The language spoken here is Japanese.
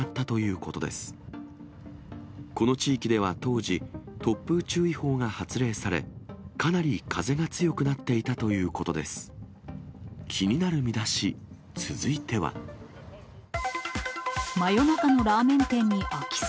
この地域では当時、突風注意報が発令され、かなり風が強くなっていたということです。